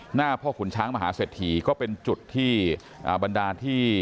หน้าพ่อขุนช้างมหาเศรษฐีก็เป็นจุดที่บรรดาที่